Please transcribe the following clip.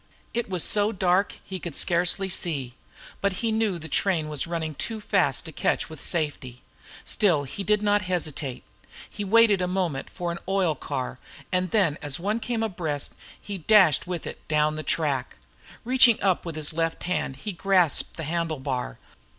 It was so dark he could scarcely see, but he knew the train was running too fast to catch with safety. Still he did not hesitate. He waited a moment for an oil car, and as one came abreast he dashed with it down the track. Reaching up with his left hand, he grasped a handle bar.